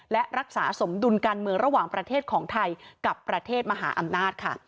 และรักษาสมดุลการเมืองระหว่างประเทศของไทยกับประเทศมหาอำนาจค่ะ